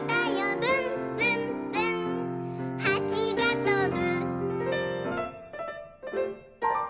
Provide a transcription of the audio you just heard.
「ぶんぶんぶんはちがとぶ」